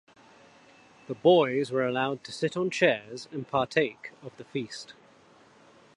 The boys were allowed to sit on chairs and partake of the feast.